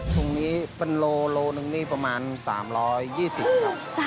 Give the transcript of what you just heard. ตรงนี้เป็นโลหนึ่งนี่ประมาณ๓๒๐ครับ